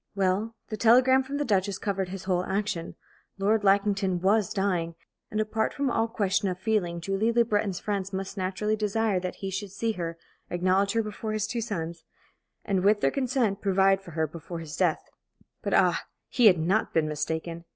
Well, the telegram from the Duchess covered his whole action. Lord Lackington was dying; and apart from all question of feeling, Julie Le Breton's friends must naturally desire that he should see her, acknowledge her before his two sons, and, with their consent, provide for her before his death. But, ah, he had not been mistaken!